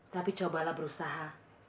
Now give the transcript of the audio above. tapi cobalah berusaha